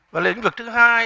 và lĩnh vực thứ hai